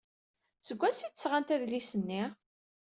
Seg wansi ay d-sɣant adlis-nni?